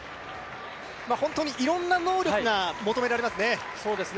本当にいろんな能力が求められますね。